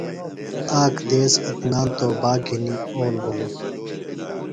آک دیس عدنان توباک گِھنی اول بِھلوۡ۔